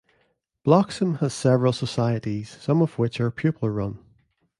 Bloxham has several societies, some of which are pupil-run.